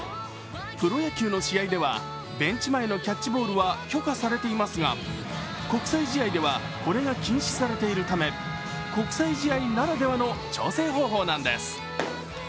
プロ野球の試合ではベンチ前のキャッチボールは許可されていますが、国際試合ではこれが禁止されているため国際試合ならではの調整方法なんです。